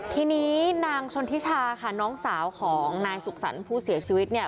ทีนี้นางชนทิชาค่ะน้องสาวของนายสุขสรรค์ผู้เสียชีวิตเนี่ย